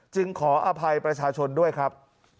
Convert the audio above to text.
ขออภัยประชาชนด้วยครับ